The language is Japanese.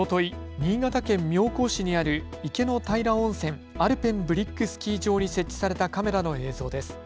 新潟県妙高市にある池の平温泉アルペンブリックスキー場に設置されたカメラの映像です。